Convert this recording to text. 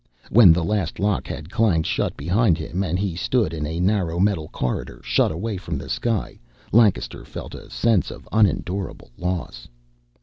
When the last lock had clanged shut behind him and he stood in a narrow metal corridor, shut away from the sky, Lancaster felt a sense of unendurable loss.